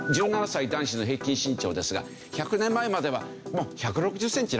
１７歳男子の平均身長ですが１００年前までは１６０センチなかった。